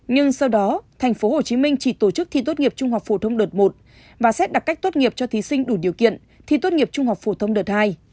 nhưng sau đó tp hcm chỉ tổ chức thi tốt nghiệp trung học phổ thông đợt một và xét đặc cách tốt nghiệp cho thí sinh đủ điều kiện thi tốt nghiệp trung học phổ thông đợt hai